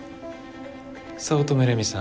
早乙女麗美さん